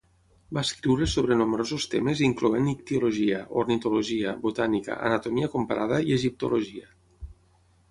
Va escriure sobre nombrosos temes incloent ictiologia, ornitologia, botànica, anatomia comparada i egiptologia.